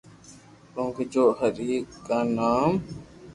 ڪونڪھ جو ھري ڪا نام